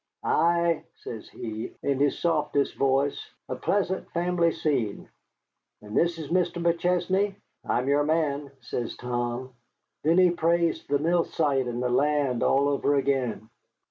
'Ah,' says he, in his softest voice, 'a pleasant family scene. And this is Mr. McChesney?' 'I'm your man,' says Tom. Then he praised the mill site and the land all over again.